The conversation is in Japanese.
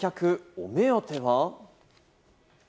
お目当ては？